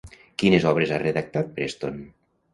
Quines obres ha redactat Preston?